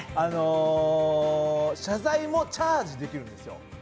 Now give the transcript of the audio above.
謝罪もチャージできるんですよ。